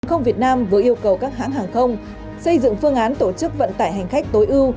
hàng không việt nam vừa yêu cầu các hãng hàng không xây dựng phương án tổ chức vận tải hành khách tối ưu